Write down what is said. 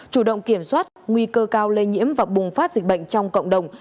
chủ động kiểm soát nguy cơ cao lây nhiễm và bùng phát dịch bệnh trong cộng đồng